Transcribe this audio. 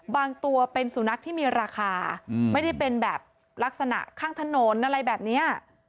ตัวเป็นสุนัขที่มีราคาไม่ได้เป็นแบบลักษณะข้างถนนอะไรแบบนี้